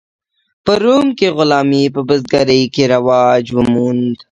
په روم کې غلامي په بزګرۍ کې رواج وموند.